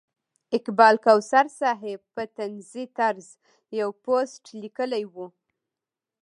اقبال کوثر صاحب په طنزي طرز یو پوسټ لیکلی و.